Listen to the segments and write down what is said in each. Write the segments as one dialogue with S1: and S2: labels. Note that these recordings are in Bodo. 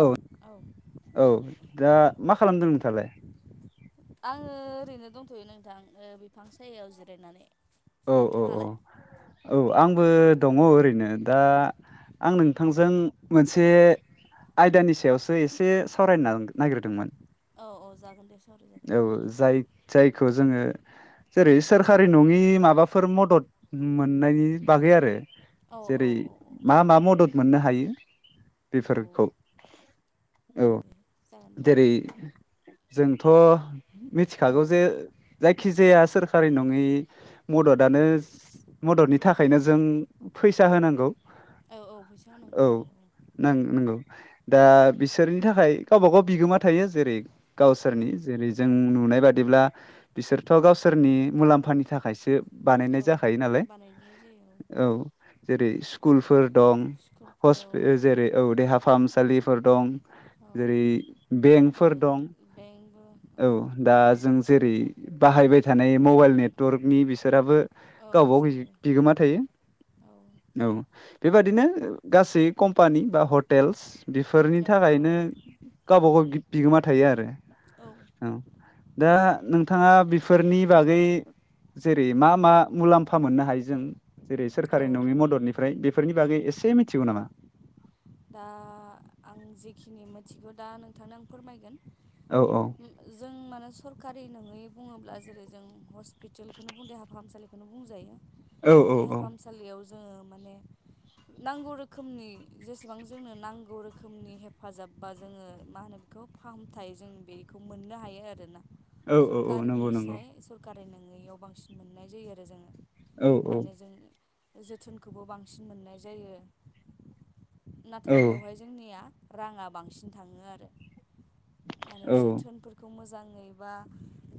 S1: औ औ दा मा खालामदों नोंथाङालाय।
S2: आङो ओरैनो दंथ'यो नोंथां बिफां सायायाव जिरायनानै।
S1: औ औ औ
S2: नोंथाङालाय
S1: औ आंबो दङ ओरैनो दा आं नोंथांजों मोनसे आयदानि सायावसो एसे सावरायनो नागिरदोंमोन।
S2: औ औ जागोन दे सरि
S1: औ
S2: जागोन
S1: जाय जायखौ जोङो जेरै सोरखारि नङि माबा माबाफोर मदद मोननायनि बागै आरो
S2: औ
S1: जेरै
S2: औ
S1: मा मा मदद मोननो हायो। हायो
S2: औ
S1: बेफोरखौ
S2: दे
S1: औ
S2: दे जागोन दे
S1: जेरै जोंथ'
S2: औ
S1: मिथिखागौ जे जायखिजाया सोरखारि नङै मददनो मददनि थाखायनो जों फैसा होनांगौ।
S2: औ औ फैसा
S1: औ
S2: होनांगौ जायो औ।
S1: नां नंगौ दा बिसोरनि थाखाय गावबा गाव बिगोमा थायो जेरै गावसोरनि
S2: उम
S1: जेरै जों नुनाय बादिब्ला बिसोरथ' गावसोरनि मुलाम्फानि थाखायसो
S2: औ
S1: बानायनाय जाखायो नालाय
S2: बानायनाय जायो
S1: औ जेरै स्कुलफोर दं। पस
S2: स्कुलफोराव
S1: जेरै औ देहा फाहामसालिफोर दं।
S2: औ
S1: जेरै
S2: औ
S1: बेंकफोर दं। औ दा जों जेरै बाहायबाय थानाय मबाइल नेटवर्कनि बिसोराबो
S2: औ
S1: गावबागाव जि
S2: बिसोरबो
S1: बिगोमा थायो।
S2: औ
S1: औ बेबादिनो गासै कम्पानि बा हटेलस बेफोरनि
S2: औ
S1: थाखाय नो
S2: औ
S1: बिदिनो गावबागाव बिगोमा थायो आरो। औ दा नोंथाङा बेफोरनि बागै जेरै मा मा मुलाम्फा मोननो हायो जों जेरै सोरखारि नङि
S2: औ
S1: मददनिफ्राय बेफोरनि बागै एसे मिथिगौ नामा?
S2: दा आं जेखिनि मिथिगौ दा नोंथांनो आं फोरमायगोन।
S1: औ औ
S2: जों मोन सरकारि नङै बुङोब्ला जेरै जों हस्पिटेलखौनो बुं देहा फाहामसालिखौनो बुंजायो।
S1: औ
S2: दा
S1: औ
S2: देहा
S1: औ
S2: फाहामसालियाव जोंङो माने नांगौ रोखोमनि जेसेबां जोंनो नांगौ रोखोमनि हेफाजाब बा जोंङो मा होनो बेखौ फाहामथाय जों बेखौ मोननो हायो आरोना।
S1: औ औ औ नंगौ नंगौ
S2: सरकारनिसाय सरकारि नोंङैयाव बांसिन मोननाय जायो आरो जोंङो।
S1: औ औ
S2: माने जों जोथोनखौबो बांसिन मोननाय जायो।
S1: औ
S2: नाथाय बेवहाय जोंनिया राङा बांसिन थाङो आरो। माने
S1: औ
S2: जोथोनफोरखौ मोजां ङै बा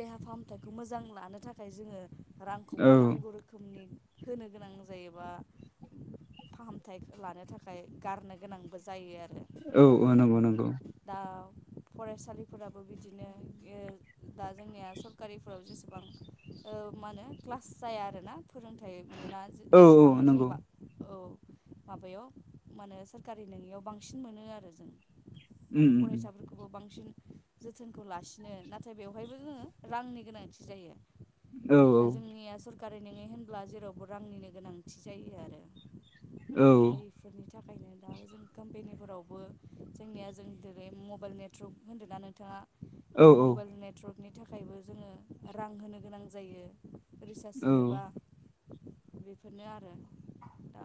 S2: देहा फाहामथायखौ मोजां लानो थाखाय जोंङो रांखौबो नांगौ रोखोमनि होनो गोनां जायोबा फाहामथाय लानो था खाय गारनो गोनांबो जायो आरो।
S1: औ ओ नंगौ नंगौ
S2: आ फरायसालिफोराबो बिदिनो दा जोंनिया सरकारिफोराव जेसेबां ओ मा होनो क्लास जाया आरोना। फोरोंथाइ मोना
S1: औ
S2: एसेबांनो
S1: नंगौ
S2: जोंबा औ माबायाव माने सोरखारि नङियाव बांसिन मोनो आरो जों
S1: उम
S2: माने
S1: उम
S2: फरायसाफोरखौबो बांसिन जोथोनखौ लासिनो नाथाय बेवहायबो जोंङो रांनि गोनांथि जायो।
S1: औ
S2: दा जोंनिया सर कारि नङै होनब्ला जेरावबो रांनिनो गोनांथि जायो आरो दा इफोरनि था
S1: [inaudible]
S2: खाय जों कम्पेनिफोरावबो जोंनिया जों जेरै मबाइल नेटवर्क होन्दों ना नोंथाङा
S1: औ
S2: दा मबाइल नेटवरर्कनि थाखायबो जोंङो रां होनो गोनां जायो। रिसार्ज
S1: औ
S2: सोनोबा बेफोरनो आरो दा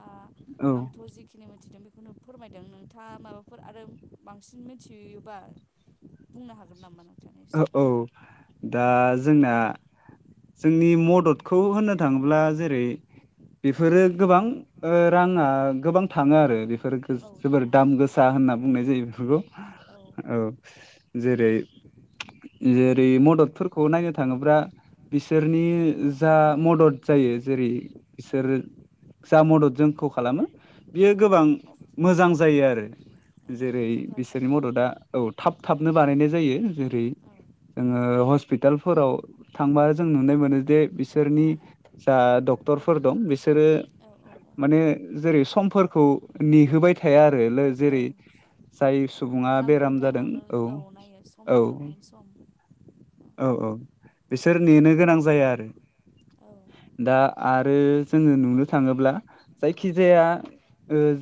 S1: औ
S2: आंथ' जिखिनि मोनथिदों बे खौनो फोरमायदों नोंथाङा माबाफोर आरो बांसिन मिथियोबा बुंनो हागोन नामा नोंथां
S1: ओ
S2: एसे
S1: औ दा जोंना जोंनि मददखौ होननो थाङोब्ला जेरै
S2: औ
S1: बेफोरो गोबां ओ राङा गोबां थाङो आरो बेफोरो
S2: औ
S1: जोबोर
S2: थाङो
S1: दाम गोसा होनना बुंनाय जायो बेफोरखौ औ जेरै जेरै मददफोरखौ नायनो थाङोब्ला बिसोरनि जा
S2: मोजाङानो
S1: मदद
S2: औ
S1: जायो जेरै बिसोरो जा मदद जोंखौ खालामो बियो
S2: औ
S1: गोबां मोजां जायो आरो।
S2: ओं
S1: जेरै बिसोरनि
S2: हेफाजाबबो
S1: मददआ
S2: होयो
S1: औ थाब-थाब नो
S2: औ
S1: बानायनाय जायो जेरै
S2: औ
S1: जोंङो हस्पिटालफोराव थांबा जों नुनो मोनो जे बिसोरनि
S2: उम
S1: जा डक्टरफोर दं बिसोरो
S2: औ औ
S1: माने जेरै समफोरखौ नेहोबाय थाया आरो
S2: औ
S1: जेरै जाय सुबुङा
S2: नांगौ
S1: बेराम जादों
S2: टाइमावनो औ नायो सम
S1: औ
S2: टाइमावनो सम।
S1: औ औ बिसोर नेनो गोनां जाया आरो।
S2: औ
S1: दा आरो जोंङो नुनो थाङोब्ला जायखिजाया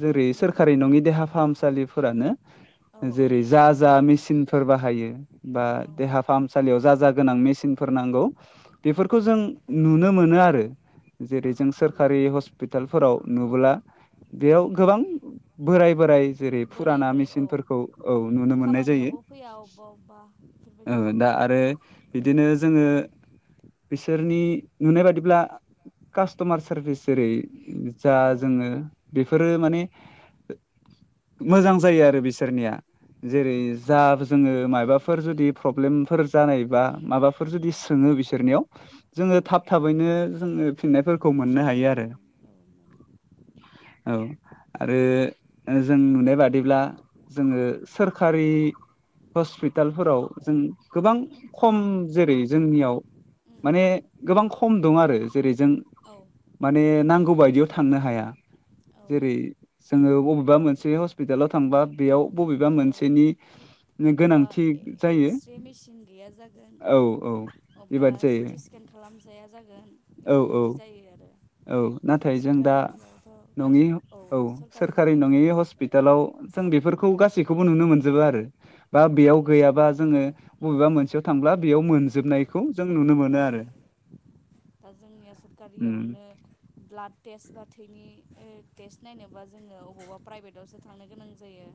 S1: जेरै
S2: उम
S1: सोरखारि नङि देहा फाहामसालिफोरानो
S2: औ
S1: जेरै जा जा मेसिनफोर बाहायो बा
S2: औ
S1: देहा फाहामसालियाव जा जा गोनां मेसिन फोर नांगौ
S2: औ
S1: बेफोरखौ
S2: औ
S1: जों नुनो मोनो आरो। जेरै जों
S2: उम
S1: सोरखारि हस्पितालफोराव नुबोला बेयाव गोबां बोराय-बोराय जेरै
S2: बोराय
S1: फुराना
S2: बोराय औ
S1: मेचनफोरखौ औ नुनो मोननाय जायो
S2: खामानियावबो फैया अबेबा अबेबा
S1: ओ
S2: बेफोरबायदि
S1: दा
S2: जायो
S1: आरो बिदिनो जोंङो बिसोरनि नुनाय बादिब्ला कास्टमार सारभिस जेरै जा
S2: औ
S1: जोङो बेफोरो माने मोजां जायो आरो बिसोरनिया
S2: औ
S1: जेरै
S2: मोजां
S1: जा
S2: जायो
S1: जोङो माबाफोर जुदि प्रब्लेमफोर जानायबा माबाफोर फोर जुदि
S2: उम
S1: सोङो बिसोरनियाव
S2: औ
S1: जोङो थाब थाबैनो जोङो फिननायफोरखौ मोननो हायो
S2: फिननायबो
S1: आरो
S2: मोनो औ मोनो
S1: औ आरो
S2: औ उम
S1: जों नुनाय बादिब्ला जोङो सोरखारि हस्पितालफोराव जों गोबां खम जेरै जोंनियाव
S2: उम
S1: माने गोबां खम दं आरो जेरै जों
S2: उम औ
S1: माने नांगौ बायदियाव थांनो हाया जेरै
S2: औ
S1: जोङो बबेबा मोनसे हस्पितालाव थांबा बेयाव बबेबा
S2: औ
S1: मोनसेनि
S2: अबेबा
S1: गोनांथि जायो
S2: एक्सरे मेसिन गैया जागोन
S1: औ औ
S2: अबेबा
S1: बेबादि जायो
S2: सिटि स्केन खालामजाया जागोन
S1: औ औ
S2: बेफोरबायदि जायो आरो
S1: औ नाथाय जों दा नङि औ सोरखारि नङि हस्पिटालाव जों बेफोरखौ गासैखौ
S2: मोनखाजोबो
S1: खौबो
S2: आरो
S1: नुनो मोनजोबो आरो बा
S2: औ
S1: बेयाव
S2: खेबसेनो
S1: गैयाबा जोङो बबेबा मोनसेयाव थांब्ला बेयाव मोनजोबनायखौ नो मोनो
S2: औ
S1: आरो
S2: दा जोंनिया
S1: उम
S2: सरखारियावनो ब्लाड टेस्ट बा थैनि टेस्ट नायनोबा जोङो अबावबा प्राइभेटावसो थांनो गोनां जायो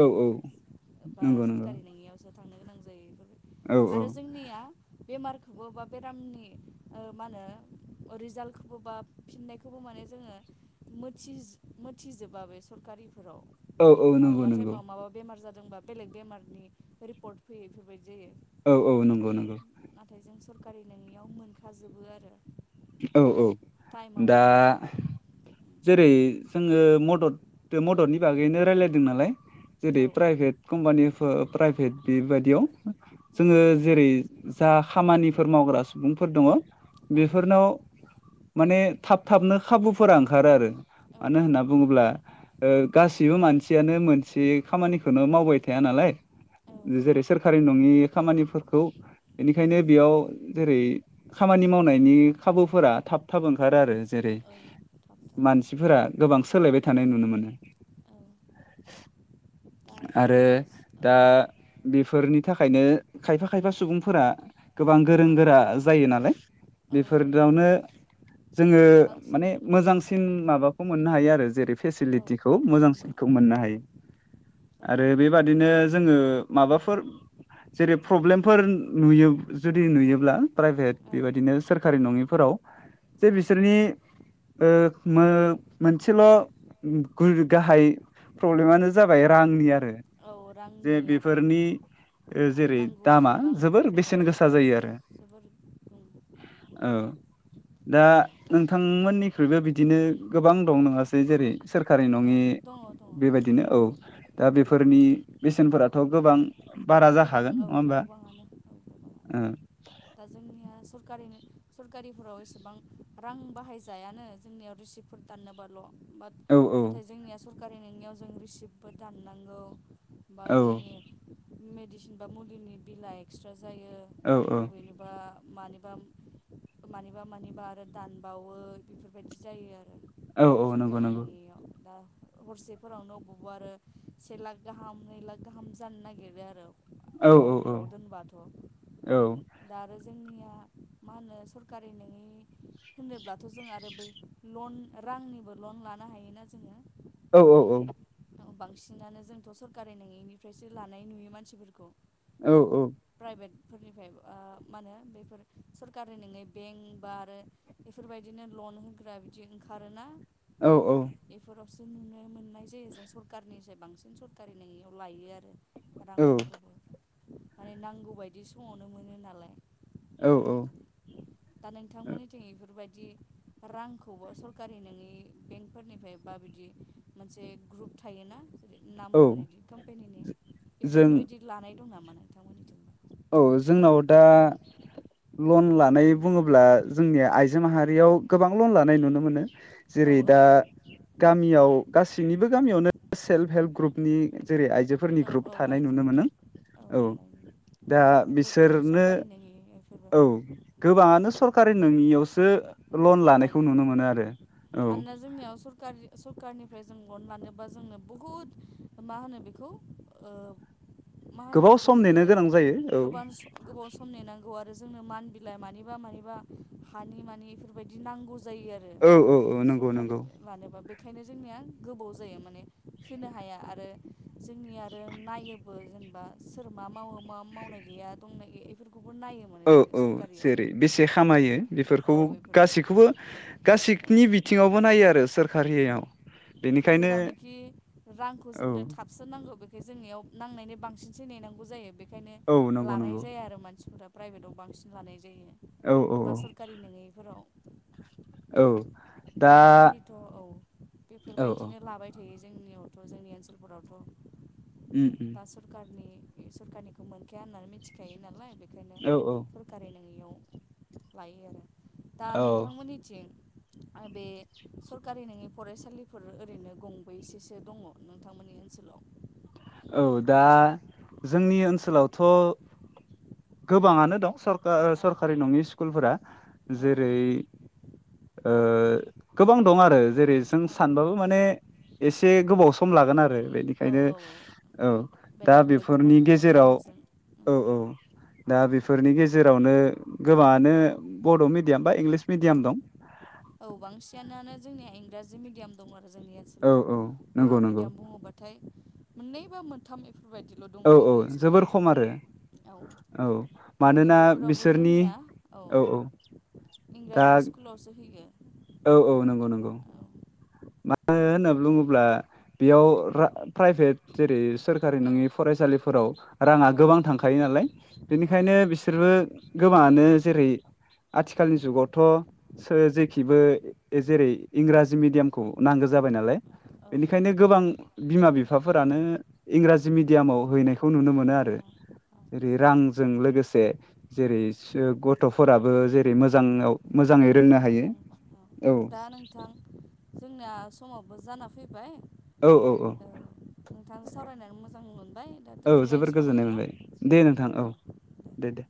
S1: औ औ
S2: बा
S1: नंगौ नंगौ
S2: सोरकारि नोंङि जों
S1: औ औ
S2: आरो जोंनिया बेमारखौ खौबो बा बेरामनि ओ मा होनो रिजाल्टखौबो बा फिननायखौबो माने जोङो मोथिज मिथिजोबा बे सरकारिफोराव
S1: औ औ नंगौ
S2: मालाबा
S1: नंगौ
S2: टाइमाव माबा जादोंबा बेलेग बेमारनि रिपर्ट फैयो बेफोरबायदि जायो
S1: औ औ नंगौ नंगौ
S2: नाथाय जों सरकारि नङियाव मोनखाजोबो आरो
S1: औ औ दा
S2: टाइमावनो
S1: जेरै जोङो मदद मददनि बागैनो रायलायदों नालाय जेरै
S2: औ औ
S1: प्राइभेट कम्पानि प्राइभेट बेबायदियाव
S2: उम
S1: जोङो
S2: उम
S1: जेरै जा खामानिफोर मावग्रा सुबुं फोर दङ
S2: औ
S1: बेफोरनाव माने थाब थाबनो खाबुफोरा ओंखारो आरो
S2: औ
S1: मानो होनना
S2: खाबु
S1: बुङोब्ला
S2: ओंखारो
S1: ओ गासै बो मानसियानो मोनसे खामानिखौनो मावबाय थाया नालाय
S2: औ
S1: जेरै सोरखारि नङि खामानिफोरखौ बेनिखायनो बेयाव जेरै खामानि माव नायनि खाबुफोरा थाब थाब ओंखारो आरो जेरै
S2: थाब ओंखारो
S1: मानसिफोरा गोबां सोलायबाय थानाय नुनो मोनो आरो
S2: जोंनियास औ
S1: दा बेफोरनि थाखायनो खायफा खायफा सुबुंफोरा गोबां गोरों गोरा जायो नालाय
S2: औ जायो
S1: बेफोरावनो जोङो
S2: बांसिन
S1: माने
S2: ओं
S1: मोजांसिन माबाखौ मोननो हायो आरो जेरै
S2: औ
S1: फेसिलिटिखौ
S2: प्राइभेटावनो
S1: मोजांसिनखौ
S2: औ
S1: मोननो हायो आरो
S2: सरकारि
S1: बेबादिनो
S2: नङियावनो
S1: जोङो माबा फोर जेरै प्रब्लेमफोर नुयो जुदि नुयोब्ला प्राइभेट
S2: औ
S1: बेबादिनो सोरकारि नङिफोराव जे
S2: औ
S1: बिसोरनि ओ मो मोनसेल गु-गाहाय प्रब्लेमानो जाबाय रांनि आरो
S2: औ
S1: जे
S2: रांनि आरो
S1: बेफोरनि जेरै दामा
S2: नांगौसेबां
S1: जोबोर बेसेन
S2: औ
S1: गोसा जायो आरो
S2: जोबोर
S1: ओ दा नोंथांमोननिख्रुइबो बिदिनो गोबां दं नङासै जेरै सोरकारि न
S2: औ
S1: नङि
S2: दङ औ दङ
S1: बेबायदिनो औ दा बेफोरनि बेसेनफोराथ गोबां बारा
S2: गोबां
S1: जाखागोन
S2: औ
S1: नङा होमबा
S2: गोबाङानो औ गोबाङानो दा जोंनिया सरकारिनो सरकारिफोराव एसेबां रां बाहायजायानो जोंनियाव रिसिभफोर दाननोबाल' बाथ
S1: औ
S2: नाथाय जोंनिया सरकारि नोङियाव जों रिसिभबो दाननांगौ। बा
S1: औ
S2: जोंनि मेडिसिन बा मुलिनि बिला एक्सट्रा जायो
S1: औ औ
S2: अबेनिबा मानिबा मानिबा मानिबा आरो दानबावो बेफोरबायदि जायो आ
S1: औ औ नंगौ
S2: सरकारि
S1: नंगौ
S2: नोङियाव दा हरसेफोरावनो अबावबा आरो से लाख गाहाम नै लाख गाहाम जानो नागिरो आरो
S1: औ औ औ
S2: हरफोराव दोनबाथ
S1: औ
S2: दा आरो जोंनिया मा होनो सरकारि नोङि होनोब्लाथ जों आरो बै लन रांनिबो लन लानो हायोना जोङो
S1: औ
S2: ओ बांसिनानो जोंथ सरकारि नोङिनिफ्रायसो लानाय नुयो मानसिफोरखौ
S1: औ औ
S2: फोरनिफ्राय आं मा होनो बेफोर सरकारि नोङै बेंक बा आरो बेफोरबायदिनो ल अनो होग्रा बिदि ओंखारोना
S1: औ औ
S2: सो नुनो मोननाय जायो जों सरकारनिसाय बांसिन सरकारि नङियाव लायो आरो। रांफोरखौबो माने नांगौ बायदि समावनो मोनो नालाय
S1: औ औ
S2: बेफोरबायदिनो दा नोंथांमोननिथिं इफोरबाय
S1: [inaudible]
S2: रांखौबो सरकारि नोङि बेंकफोरनिफ्राय बा बिदि मोनसे ग्रुप थायोना जेरै
S1: औ
S2: नामफोर इदि कम्पेनिनि
S1: जों
S2: इफोरनि बायदि लानाय दं ना
S1: अ जोंनाव दा लन लानाय बुङोब्ला जोंनि आइजो माहारियाव गोबां लन लानाय नुनो मोनो जे
S2: औ
S1: यै
S2: औ
S1: दा
S2: औ
S1: गामियाव गासैनिबो गामियावनो सेल्फ हेल्प ग्रुपनि जेरै आइजो फोरनि
S2: औ औ
S1: ग्रुप थानाय नुनो मोनो
S2: आइजोफोरनि
S1: औ दा
S2: बेफोरथ'
S1: बिसोरनो
S2: सरकारि नोङि बेफोरबो
S1: औ गोबाङानो सरकारि नोङियावसो लन लानायखौ नुनो
S2: लायो
S1: मोनो आरो औ
S2: मानोना जोंनियाव सरकारि सरकारनिफ्राय जों लन लानो। बा जोंनो बहुद मा होनो बेखौ ओ मा होनो
S1: गोबाव
S2: बेखौ
S1: सम नेनो
S2: जेरै
S1: गोनां जायो औ
S2: गोबां गोबाव सम नेनांगौ आ जोंनो मान बिलाइ मानिबा मानिबा हानि मानि बेफोरबायदि नांगौ जायो आरो
S1: औ औ औ नंगौ
S2: सकारि
S1: नंगौ
S2: लानोबा बे ओंखायनो जोंनिया गोबाव जायो माने होनो हाया आरो जोंनिया आरो नायोबो बा सोर मा मावो मा मावनाय गैया दंनाय गैयै बेफोर
S1: औ औ जेरै बेसे खामायो बेफोरखौ
S2: औ बेफोरनि
S1: गासैखौबो
S2: औ
S1: गासैनि बिथिङावबो नायो आरो सोरकारियाव
S2: औ जेरावनोखि रांखौ जोंनो
S1: औ
S2: थाबसो नांगौ बे बे जोङियाव नांनायनि बांसिनसो नेनांगौ जायो बेखायनो
S1: औ नंगौ
S2: लानाय
S1: नंगौ
S2: जाया आरो मानसिफोरा प्राइभेटआव बांसिन लानाय जायो
S1: औ औ
S2: बा सोरखारि नङैफोराव
S1: औ दा
S2: दासान्दिथ' औ
S1: औ औ
S2: बेफोरबायदिनो लाबाय थायो। जोंनियावथ' जोंनि ओनसोलफोरावथ'
S1: उम उम।
S2: सरखारनिखौ मोनखाया होननानै मिथिखायो नालाय बे
S1: औ औ।
S2: लायो आरो दा
S1: औ
S2: नोंथांमोननिथिं? आरो बे सरखारि नङि फरायसालिफोर ओरैनो गंबैसेसो दङ नोंथांमोननि ओनसोलाव? सोलाव?
S1: औ दा जोंनि ओनसोलावथ' गोबाङानो दं सरकार
S2: औ
S1: सरकारि नङि स्कुलफोरा
S2: औ औ
S1: जेरै ओ गोबां दं आरो जेरै जों
S2: औ
S1: सानबाबो माने एसे गोबाव सम लागोन आरो
S2: औ
S1: बेनिखायनो
S2: औ
S1: औ दा
S2: बेलेग बेलेग गुबुन
S1: बेफोरनि
S2: गुबुन
S1: गेजेराव
S2: नामजों
S1: औ
S2: उम
S1: औ दा बेफोरनि गेजेरावनो गोबाङानो बड' मिडियाम बा इंलिस मिडियाम दं।
S2: औ बांसिनानो जोंनिया इंराजि मिडियाम दं आ जोंनि
S1: औ
S2: ओनसोलाव।
S1: औ
S2: बर'
S1: नंगौ नंगौ
S2: मिडियाम बुङोबाथाय मोननै बा मोनथाम बेफोरबायदिल' दङ
S1: औ औ
S2: जोंनि ओनसोलाव
S1: जोबोर खम आरो औ
S2: माने
S1: मानोना
S2: बेफोरावबो
S1: बिसोरनि
S2: जोंनिया
S1: औ औ दा
S2: इंराजि स्कुलावसो होयो।
S1: औ औ नंगौ नंगौ। मानो होनना बुङोब्ला बेयाव प्राइभेट जेरै सोरखारि
S2: औ
S1: नङि फरायसालिफोराव राङा
S2: औ
S1: गोबां थांखायो नालाय
S2: औ
S1: बिनिखायनो
S2: थांखायो
S1: बिसोरबो गोबाङानो जेरै आथिखालनि जुगावथ' जेखिबो जेरै इंराजि मिडियाम खौ नांगौ जाबाय नालाय,
S2: औ औ
S1: बेनिखायनो गोबां बिमा बिफाफोरानो इंराजि मिडियामाव हैनायखौ नुनो मोनो आरो।
S2: औ
S1: जेरै रांजों लोगोसे जेरै गथ'फोराबो जेरै मोजाङाव मोजाङै रोंनो हायो।
S2: मोजां औ
S1: औ
S2: दा नोंथां जोंनाया समावबो जाना फैबाय,
S1: औ औ औ।
S2: नोंथां सावरायनानै मोजां मोनबाय दा
S1: औ जोबोर
S2: दोन्थ'लायनोसै नामा
S1: गोजोननाय
S2: नोंथां?
S1: मोनबाय दे नोंथां औ दे दे।